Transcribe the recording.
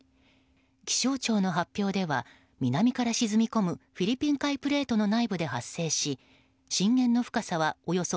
気象庁の発表では南から沈み込むフィリピン海プレートの内部で発生し震源の深さはおよそ